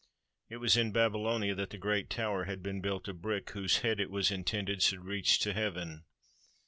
It was in Babylonia that the great tower had been built of brick whose head, it was intended, should "reach to heaven."